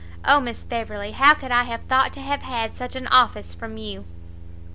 O Miss Beverley, how could I have thought to have had such an office from you?"